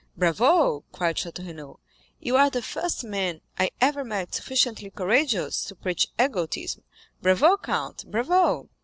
"Bravo," cried Château Renaud; "you are the first man I ever met sufficiently courageous to preach egotism. Bravo, count, bravo!"